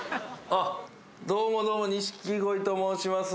どうもどうも錦鯉と申します。